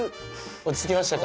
落ち着きましたか？